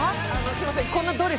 すみません。